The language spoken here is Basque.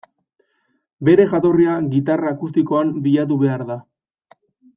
Bere jatorria gitarra akustikoan bilatu behar da.